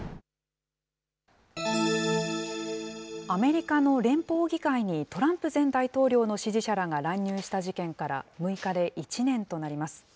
アメリカの連邦議会にトランプ前大統領の支持者らが乱入した事件から６日で１年となります。